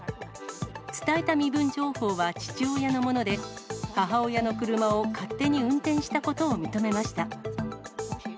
伝えた身分情報は父親のもので、母親の車を勝手に運転したことを認めました。